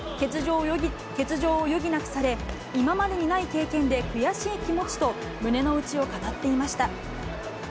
欠場を余儀なくされ、今までにない経験で悔しい気持ちと胸の内を語っていました。